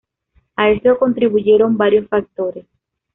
A esto contribuyeron varios factores.